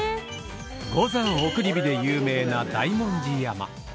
「五山送り火」で有名な大文字山。